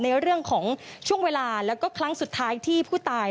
ในเรื่องของช่วงเวลาแล้วก็ครั้งสุดท้ายที่ผู้ตาย